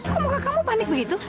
kok kamu panik begitu